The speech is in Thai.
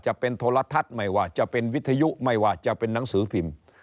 จะเป็นโทรทัศน์ไม่ว่าจะเป็นวิทยุไม่ว่าจะเป็นหนังสือพิมพ์